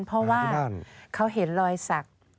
เพราะว่าเขาเห็นรอยสัก